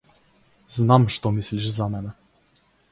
Знам што мислиш за мене.